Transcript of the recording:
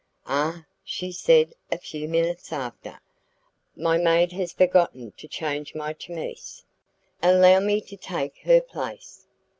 "Ah!" she said a few minutes after, "my maid has forgotten to change my chemise." "Allow me to take her place."